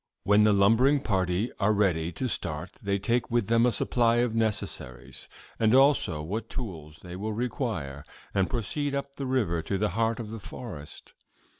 "'When the lumbering party are ready to start, they take with them a supply of necessaries, and also what tools they will require, and proceed up the river to the heart of the forest.